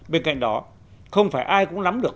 bên cạnh đó không phải ai cũng nắm được